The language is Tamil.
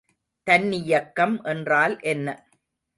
தன்னியக்கம் என்றால் என்ன?